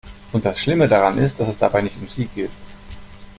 Und das Schlimme daran ist, dass es dabei nicht um sie geht.